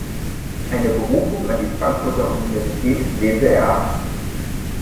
Eine Berufung an die Frankfurter Universität lehnte er ab.